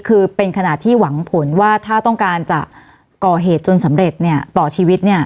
คือเป็นขณะที่หวังผลว่าถ้าต้องการจะก่อเหตุจนสำเร็จเนี่ยต่อชีวิต